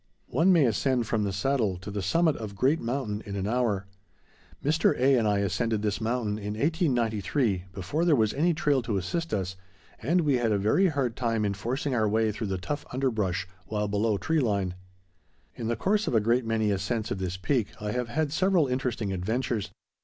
One may ascend from the Saddle to the summit of Great Mountain in an hour. Mr. A. and I ascended this mountain in 1893, before there was any trail to assist us, and we had a very hard time in forcing our way through the tough underbrush, while below tree line. In the course of a great many ascents of this peak I have had several interesting adventures.